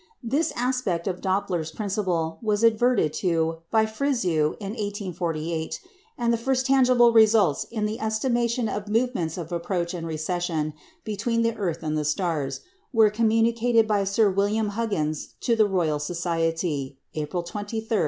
This aspect of Doppler's principle was adverted to by Fizeau in 1848, and the first tangible results in the estimation of movements of approach and recession between the earth and the stars, were communicated by Sir William Huggins to the Royal Society, April 23, 1868.